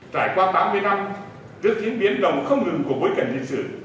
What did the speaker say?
trải qua tám mươi năm đưa tiến biến đầu không ngừng của bối cảnh lịch sử